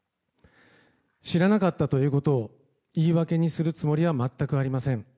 知らなかったということを言い訳にするつもりは全くありません。